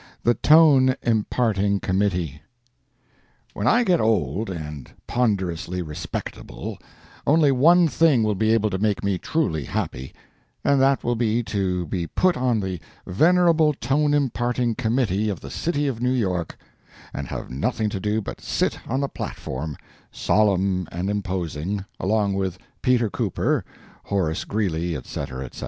THE TONE IMPARTING COMMITTEE. When I get old and ponderously respectable, only one thing will be able to make me truly happy, and that will be to be put on the Venerable Tone Imparting Committee of the City of New York, and have nothing to do but sit on the platform, solemn and imposing, along with Peter Cooper, Horace Greeley, etc., etc.